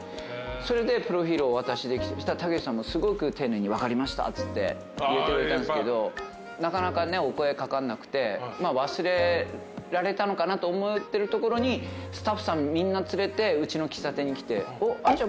それでプロフィルをお渡しできて武さんもすごく丁寧に「分かりました」っつって入れてくれたんですけどなかなかお声掛かんなくて忘れられたのかなと思ってるところにスタッフさんみんな連れてうちの喫茶店に来て。